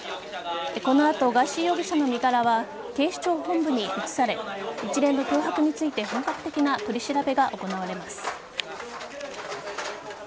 この後、ガーシー容疑者の身柄は警視庁本部に移され一連の脅迫について本格的な取り調べが行われます。